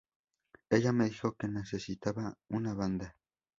Ella me dijo que necesitaba una banda.